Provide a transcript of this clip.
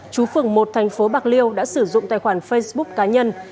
chú phường một thành phố bạc liêu đã sử dụng tài khoản facebook cá nhân